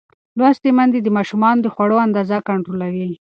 لوستې میندې د ماشومانو د خوړو اندازه کنټرولوي.